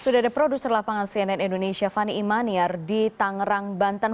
sudah ada produser lapangan cnn indonesia fani imaniar di tangerang banten